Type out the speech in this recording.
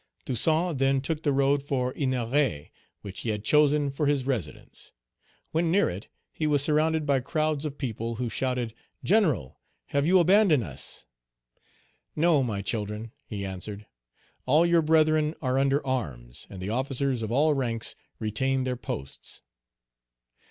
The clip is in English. Toussaint then took the road for Ennery, which he had chosen for his residence. Page 214 When near it, he was surrounded by crowds of people, who shouted out, "General, have you abandoned us?" "No, my children," he answered; "all your brethren are under arms, and the officers of all ranks retain their posts."